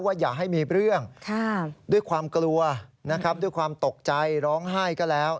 อย่าให้มีเรื่องด้วยความกลัวนะครับด้วยความตกใจร้องไห้ก็แล้ว